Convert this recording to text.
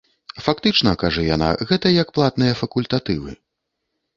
Фактычна, кажа яна, гэта як платныя факультатывы.